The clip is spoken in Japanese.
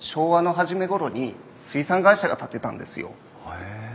へえ。